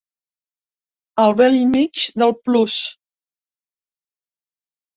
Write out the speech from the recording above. Al bell mig del plus.